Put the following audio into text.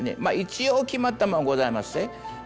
まっ一応決まったもんはございまっせ。